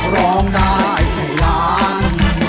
ร้องได้ให้ล้าน